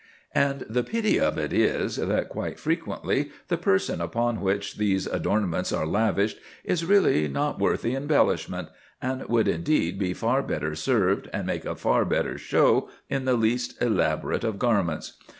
And the pity of it is, that quite frequently the person upon which these adornments are lavished is really not worth the embellishment, and would indeed be far better served and make a far better show in the least elaborate of garments.